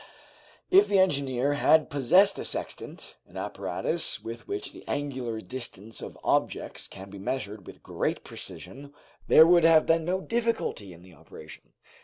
If the engineer had possessed a sextant, an apparatus with which the angular distance of objects can be measured with great precision, there would have been no difficulty in the operation.